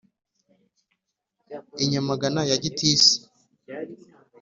I Nyamagana ya Gitisi